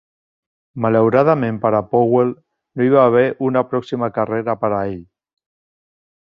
Malauradament per a Powell, no hi va haver una "pròxima carrera" per a ell.